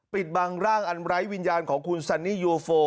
ปิดบังร่างอันไร้วิญญาณของคุณซันนี่ยูโฟ